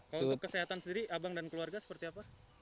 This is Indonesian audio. kalau untuk kesehatan sendiri abang dan keluarga seperti apa